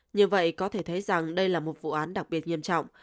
như vậy có thể thấy rằng đây là một vụ án đặc biệt nghiêm trọng